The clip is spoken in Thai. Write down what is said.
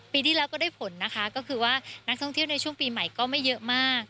ปีที่แล้วก็ได้ผลนะคะก็คือว่านักท่องเที่ยวในช่วงปีใหม่ก็ไม่เยอะมาก